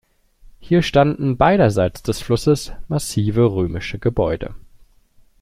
Hier standen beiderseits des Flusses massive römische Gebäude.